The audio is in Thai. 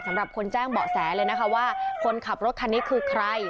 สำหรับคนแจ้งเบาะแสเลยนะคะว่าคนขับรถคันนี้คือใคร